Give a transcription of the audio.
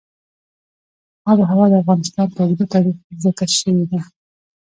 آب وهوا د افغانستان په اوږده تاریخ کې ذکر شوې ده.